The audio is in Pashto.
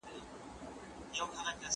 آیا تاسو د خپل ښوونکي څخه مننه کوئ؟